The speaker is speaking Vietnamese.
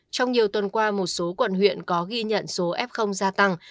trong nhiều tuần qua một số quận huyện có ghi nhận số f gia tăng